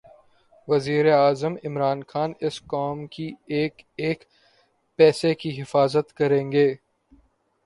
وزیراعظم عمران خان اس قوم کے ایک ایک پیسے کی حفاظت کریں گے